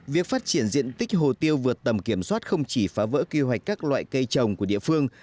việc phát triển diện tích hồ tiêu vượt tầm kiểm soát không chỉ phá vỡ kế hoạch các loại cây trồng của địa phương